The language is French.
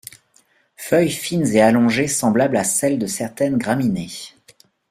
Feuilles fines et allongées semblables à celles de certaines graminées.